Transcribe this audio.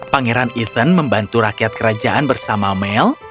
pangeran ethan membantu rakyat kerajaan bersama mel